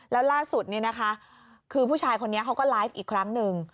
แล้วล่าสุดเนี่ยนะคะคือผู้ชายคนนี้เขาก็ไลฟ์อีกครั้งนึง